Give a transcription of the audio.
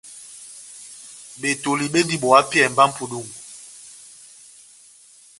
Betoli bendini bo hapiyɛhɛ mba ó mʼpudungu.